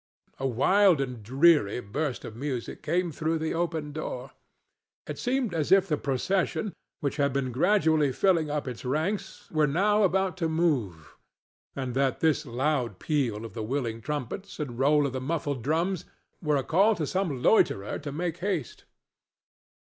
A wild and dreary burst of music came through the open door. It seemed as it the procession, which had been gradually filling up its ranks, were now about to move, and that this loud peal of the wailing trumpets and roll of the muffled drums were a call to some loiterer to make haste.